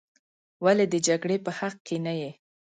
ولې د جګړې په حق کې نه یې.